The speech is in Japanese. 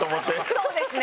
そうですね。